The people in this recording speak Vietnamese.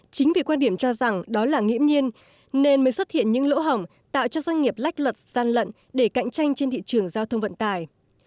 chính vì quan điểm cho rằng đó là nghiễm nhiên nên mới xuất hiện những lỗ hỏng tạo cho doanh nghiệp lách luật gian lận để cạnh tranh trên thị trường giao thông vận tài